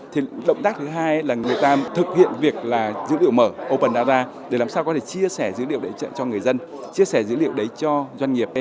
thì động tác thứ hai là người ta thực hiện việc là dữ liệu mở openda để làm sao có thể chia sẻ dữ liệu đấy cho người dân chia sẻ dữ liệu đấy cho doanh nghiệp